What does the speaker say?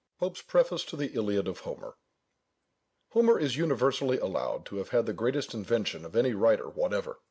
POPE'S PREFACE TO THE ILIAD OF HOMER Homer is universally allowed to have had the greatest invention of any writer whatever.